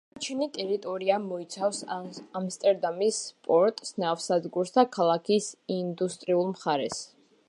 დანარჩენი ტერიტორია მოიცავს ამსტერდამის პორტს, ნავსადგურს და ქალაქის ინდუსტრიულ მხარეს.